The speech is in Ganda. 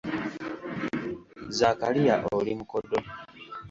Zaakaliya oli mukodo